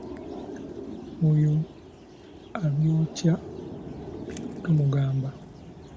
Oyo abyokya tomugamba.